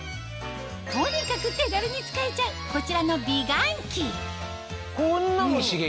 とにかく手軽に使えちゃうこちらの美顔器いい刺激。